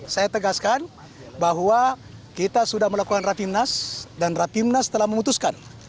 saya tegaskan bahwa kita sudah melakukan rapimnas dan rapimnas telah memutuskan